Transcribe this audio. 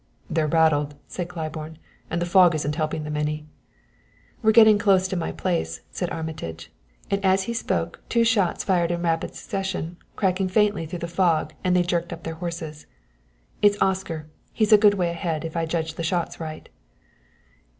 "They're rattled," said Claiborne, "and the fog isn't helping them any." "We're getting close to my place," said Armitage; and as he spoke two shots fired in rapid succession cracked faintly through the fog and they jerked up their horses. "It's Oscar! He's a good way ahead, if I judge the shots right."